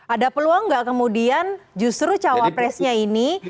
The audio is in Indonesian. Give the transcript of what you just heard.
ada peluang nggak kemudian justru cawapresnya ini